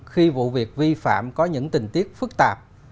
khi vụ việc vi phạm có những tình tiết phức tạp